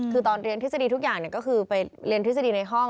คือตอนเรียนทฤษฎีทุกอย่างก็คือไปเรียนทฤษฎีในห้อง